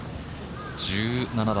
１７番。